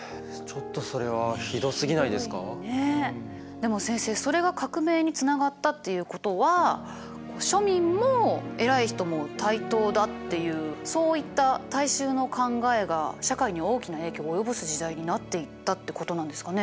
でも先生それが革命につながったっていうことは庶民も偉い人も対等だっていうそういった大衆の考えが社会に大きな影響を及ぼす時代になっていったってことなんですかね？